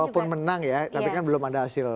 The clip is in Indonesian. walaupun menang ya tapi kan belum ada hasil